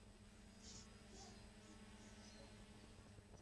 真田信胜为战国时代至江户时代初期武将。